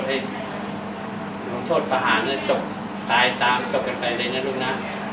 ให้ลงโทษประหารเลยจบตายตามจบกันไปเลยนะลูกนะ